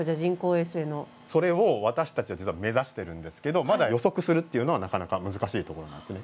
それを私たちは実は目指してるんですけどまだ予測するっていうのはなかなか難しいところなんですね。